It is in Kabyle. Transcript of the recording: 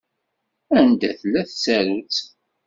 Anda tella tsarut?